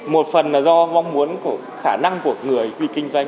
một phần là do mong muốn của khả năng của người quy kinh doanh